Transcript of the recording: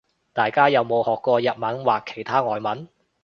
大家有冇學過日文或其他外文